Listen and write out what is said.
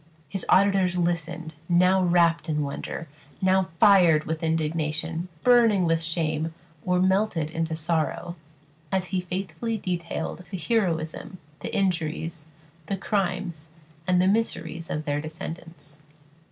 His auditors listened, now wrapt in wonder, now fired with indignation, burning with shame, or melted into sorrow, as he faithfully detailed the heroism, the injuries, the crimes, and the miseries of their descendants.